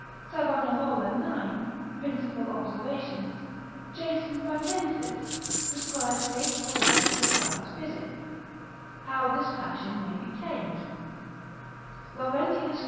Savanarola 9. principal observations, Jason Pratensis prescribes eight rules besides physic, how this passion may be tamed, Laurentius 2.